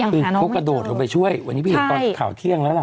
คือเขากระโดดลงไปช่วยวันนี้ไปเห็นตอนข่าวเที่ยงแล้วล่ะ